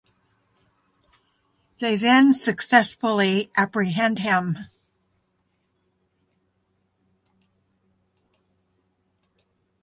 They then successfully apprehend him.